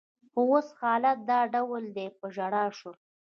خو اوس حالت دا ډول دی، په ژړا شول.